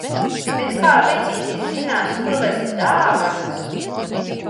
Bet kā vecītis zinās, kur vest dāvanas?